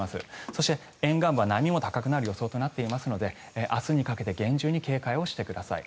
そして沿岸部は波も高くなる予想となっていますので明日にかけて厳重に警戒をしてください。